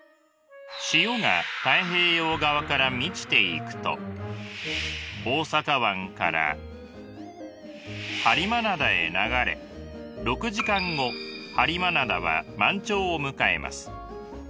潮が太平洋側から満ちていくと大阪湾から播磨灘へ流れ６時間後播磨灘は満潮を迎えます。